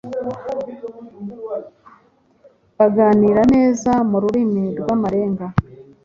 baganira neza mu rurimi rw’amarenga.